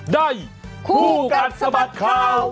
ได้คู่กันสมัคร